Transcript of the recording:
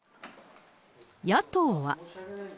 野党は。